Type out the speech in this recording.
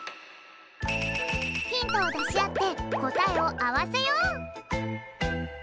ヒントをだしあってこたえをあわせよう！